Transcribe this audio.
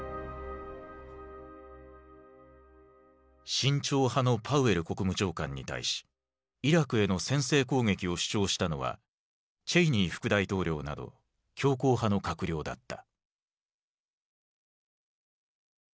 慎重派のパウエル国務長官に対しイラクへの先制攻撃を主張したのはチェイニー副大統領など強硬派の閣僚だった。